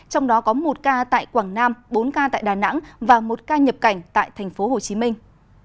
trong đó có một ca tại quảng nam bốn ca tại đà nẵng và một ca nhập cảnh tại thành phố hồ chí minh